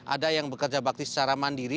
ada yang bekerja bakti secara mandiri